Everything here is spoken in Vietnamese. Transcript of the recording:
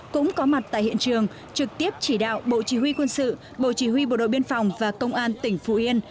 cũng có mặt tại hiện trường trực tiếp chỉ đạo bộ chỉ huy quân sự bộ chỉ huy bộ đội biên phòng và công an tỉnh phú yên